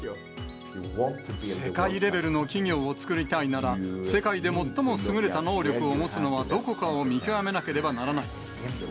世界レベルの企業を作りたいなら、世界で最も優れた能力を持つのはどこかを見極めなければならない。